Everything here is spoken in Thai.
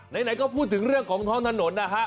ไหนก็พูดถึงเรื่องของท้องถนนนะฮะ